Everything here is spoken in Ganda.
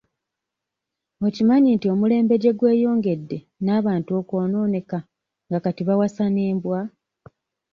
Okimanyi nti omulembe gye gweyongedde n'abantu okwonooneka nga kati bawasa n'embwa?